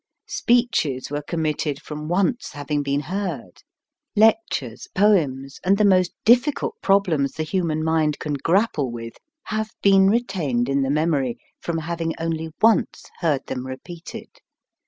Speeches were committed from once having been heard, lectures, poems, and the most difficult prob lems the human mind can grapple with, have been retained in the mem ory from having only once heard them repeated.